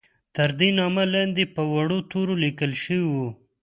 تر دې نامه لاندې په وړو تورو لیکل شوي وو.